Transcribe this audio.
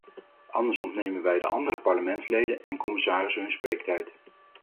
Anders ontnemen wij de andere parlementsleden en commissarissen hun spreektijd.